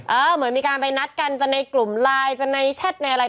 เหมือนมีการไปนัดกันจะในกลุ่มไลน์จะในแชทในอะไร